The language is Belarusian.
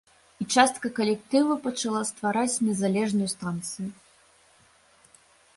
І частка калектыву пачала ствараць незалежную станцыю.